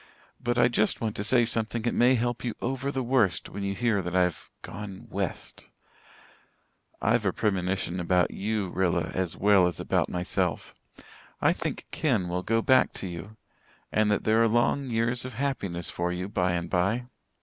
But I just want to say something that may help you over the worst when you hear that I've gone 'west.' I've a premonition about you, Rilla, as well as about myself. I think Ken will go back to you and that there are long years of happiness for you by and by.